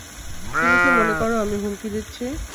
তুমি কি মনে করো আমি হুমকি দিচ্ছি?